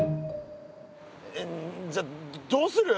えっじゃあどうする？